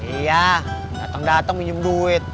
iya dateng dateng minjem duit